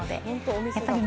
やっぱり。